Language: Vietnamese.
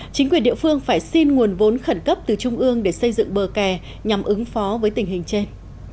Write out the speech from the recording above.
chính quyền địa phương phải xin nguồn vốn khẩn cấp từ trung ương để xây dựng bờ kè nhằm ứng phó với tình hình trên